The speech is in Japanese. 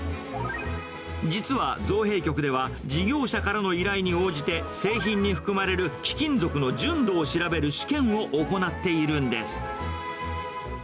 実は造幣局では、事業者からの依頼に応じて、製品に含まれる貴金属の純度を調べる試験を行っているんです。